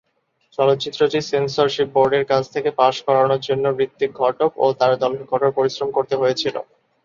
চলচ্চিত্রটি সেন্সরশিপ বোর্ডের কাছ থেকে পাস করানোর জন্য ঋত্বিক ঘটক ও তাঁর দলকে কঠোর পরিশ্রম করতে হয়েছিল।